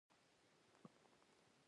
د تخمونو ازموینه د کرنې کیفیت تضمینوي.